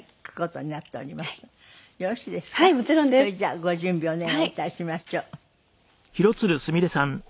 それじゃあご準備お願いいたしましょう。